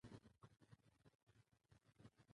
په نثر کي ګرامري او منطقي ارتباط ساتل کېږي.